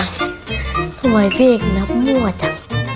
ทำไมพี่เอกนับมั่วจ้ะ